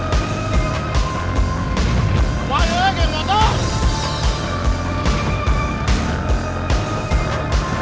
tidak ada yang bisa dipercaya